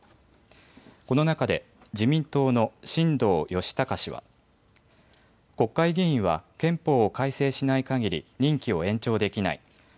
この中で自民党の新藤義孝氏は国会議員は憲法を改正しないかぎり任期を延長できない。